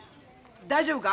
大丈夫か？